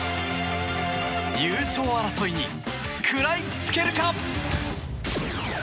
優勝争いに食らいつけるか？